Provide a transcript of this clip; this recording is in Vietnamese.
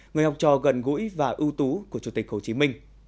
người học trò gần gũi và ưu tú của chủ tịch hồ chí minh